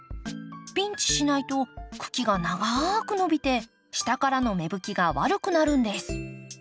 ピンチしないと茎が長く伸びて下からの芽吹きが悪くなるんです。